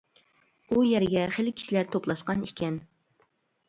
ئۇ يەرگە خېلى كىشىلەر توپلاشقان ئىكەن.